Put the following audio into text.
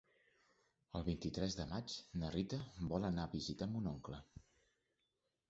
El vint-i-tres de maig na Rita vol anar a visitar mon oncle.